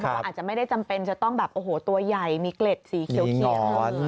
ว่าอาจจะไม่ได้จำเป็นจะต้องแบบโอ้โหตัวใหญ่มีเกล็ดสีเขียว